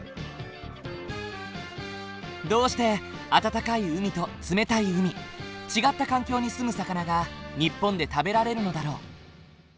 どうして温かい海と冷たい海違った環境に住む魚が日本で食べられるのだろう？